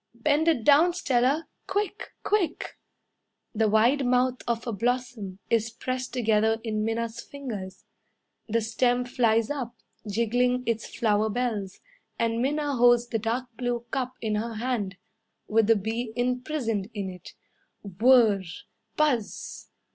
"Bend it down, Stella. Quick! Quick!" The wide mouth of a blossom Is pressed together in Minna's fingers. The stem flies up, jiggling its flower bells, And Minna holds the dark blue cup in her hand, With the bee Imprisoned in it. Whirr! Buzz!